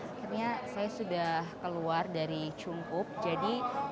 jadi yang diperkenalkan adalah aku ingin menerima kebijakan saya dan aku ingin menerima kebijakan saya